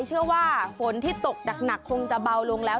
เชื่อว่าฝนที่ตกหนักคงจะเบาลงแล้ว